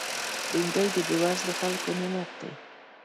بېنډۍ د بېوزلو خلکو نعمت دی